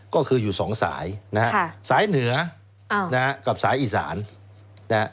ก็คืออยู่สองสายสายเหนือกับสายอีสาน